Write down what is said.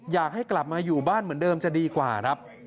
อยากให้กลับมาอยู่บ้านเหมือนเดิมจะดีกว่าครับ